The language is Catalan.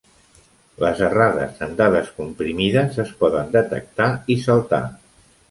Les errades en dades comprimides es poden detectar i saltar.